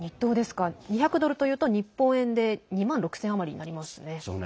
２００ドルというと日本円で２万６０００円余りになりますね。